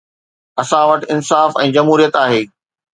اسان وٽ انصاف ۽ جمهوريت آهي.